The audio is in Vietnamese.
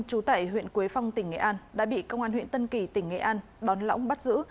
trú tại huyện quế phong tỉnh nghệ an đã bị công an huyện tân kỳ tỉnh nghệ an đón lõng bắt giữ